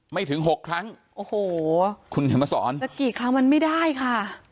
ถึงหกครั้งโอ้โหคุณเขียนมาสอนแต่กี่ครั้งมันไม่ได้ค่ะ